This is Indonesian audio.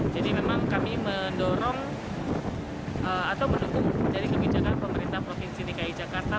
jadi memang kami mendorong atau mendukung dari kebijakan pemerintah provinsi nikai jakarta